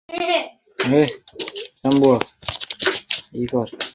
হ্যাঁ, চালাই আমি।